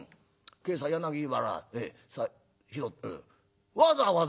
今朝柳原財布拾ったわざわざ？